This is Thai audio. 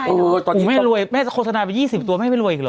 เนอะโอ้โหตอนนี้แม่รวยแม่จะโฆษณาเป็นยี่สิบตัวแม่ไม่รวยอีกหรอ